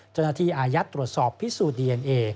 เจ้าหน้าที่อายัดตรวจสอบพิสูจน์ดีเอนเอ